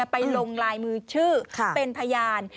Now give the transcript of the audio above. ไปลงลายมือชื่อเป็นพยาน